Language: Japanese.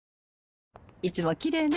いつもきれいね。